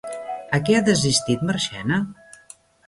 A què ha desistit Marchena?